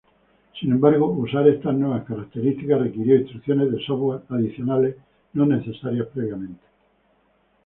Sin embargo, usar estas nuevas características requirió instrucciones de software adicionales no necesarias previamente.